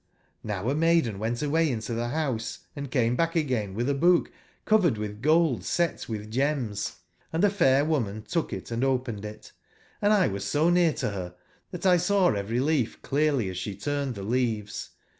JVow a maiden went awayintotbebouseandcamebackagain witb a book covered witb gold set witb gems ; and tbe fair woman took it andopened it, and X was so near to ber tbat X saw every leaf clearly as sbe turned tbe leaves.